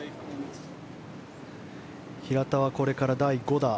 平田は、これから第５打。